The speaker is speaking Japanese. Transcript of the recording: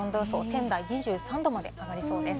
仙台は２３度まで上がります。